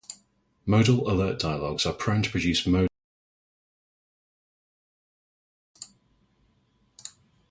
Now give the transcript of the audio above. Modal alert dialogs are prone to produce mode errors due to their unrequested nature.